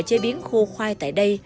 chế biến khô khoai tại đây